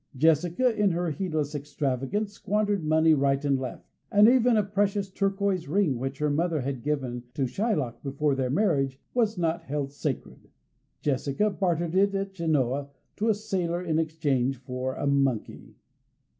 Jessica, in her heedless extravagance, squandered money right and left, and even a precious turquoise ring which her mother had given to Shylock before their marriage was not held sacred Jessica bartered it at Genoa to a sailor in exchange for a monkey!